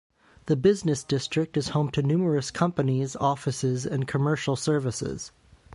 The business district is home to numerous companies, offices, and commercial services.